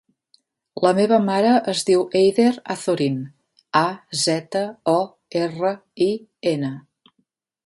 La meva mare es diu Eider Azorin: a, zeta, o, erra, i, ena.